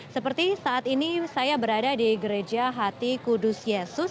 seperti saat ini saya berada di gereja hati kudus yesus